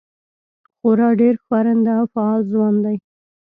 خورا ډېر ښورنده او فعال ځوان دی.